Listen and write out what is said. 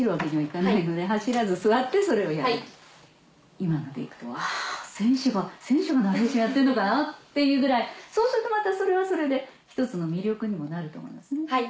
今ので行くと「あ選手がナレーションをやってんのかな？」っていうぐらいそうするとそれはそれで一つの魅力にもなると思いますね。